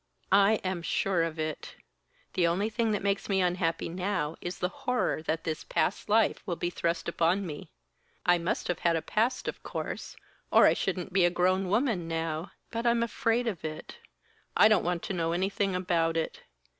"I am sure of it. The only thing that makes me unhappy now is the horror that this past life will be thrust upon me. I must have had a past, of course, or I shouldn't be a grown woman now. But I'm afraid of it; I don't want to know anything about it!